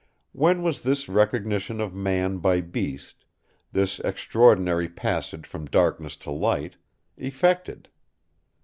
When was this recognition of man by beast, this extraordinary passage from darkness to light, effected?